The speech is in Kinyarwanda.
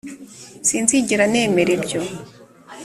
sinzigera nemera ibyo